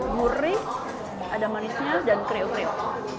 gurih ada manisnya dan kriuk kriuk